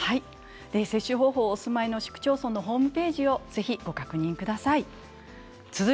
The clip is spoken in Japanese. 接種方法はお住まいの市区町村のホームページをご確認ください。